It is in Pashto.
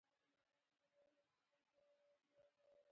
کعبه وداني ساده ده خو ځلېدونکې ښکاري.